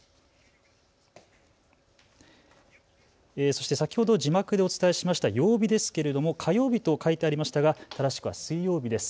そして先ほど字幕でお伝えしました曜日ですけれども火曜日と書いてありましたが正しくは水曜日です。